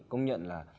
công nhận là